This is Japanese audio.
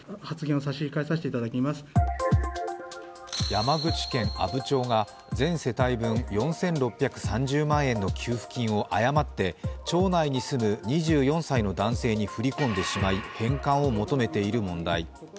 山口県阿武町が全世帯分４６３０万円の給付金を誤って町内に住む２４歳の男性に振り込んでしまい返還を求めている問題。